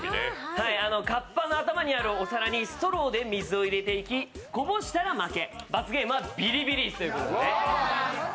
カッパの頭にあるお皿にストローで水を入れていきこぼしたら負け、罰ゲームはビリビリ椅子です。